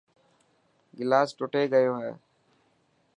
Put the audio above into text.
گلاس ٽٽي گيو هي.